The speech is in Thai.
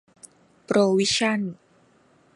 โปรวิชั่น